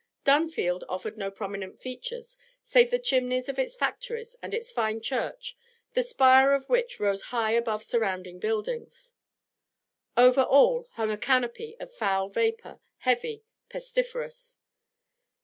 Dunfield offered no prominent features save the chimneys of its factories and its fine church, the spire of which rose high above surrounding buildings; over all hung a canopy of foul vapour, heavy, pestiferous.